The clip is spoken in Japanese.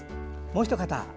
もう一方。